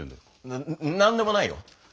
ななんでもないよ。